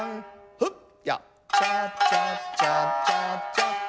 フッヤッチャチャチャチャチャン。